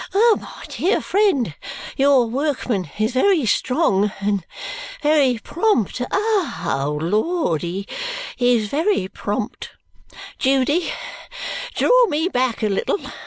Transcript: My dear friend, your workman is very strong and very prompt. O Lord, he is very prompt! Judy, draw me back a little.